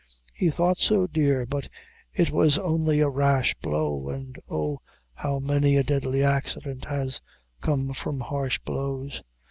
"He thought so, dear; but it was only a rash blow; and oh, how many a deadly accident has come from harsh blows!